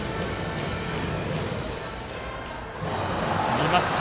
見ました。